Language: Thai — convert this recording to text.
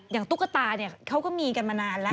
อย่างตุ๊กตาเขาก็มีกันมานานแล้ว